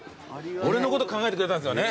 俺のこと考えてくれたんですよね。